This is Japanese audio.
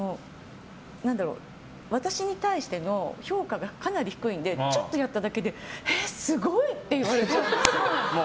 私に対しての評価がかなり低いんでちょっとやっただけでえっすごい！って言われちゃう。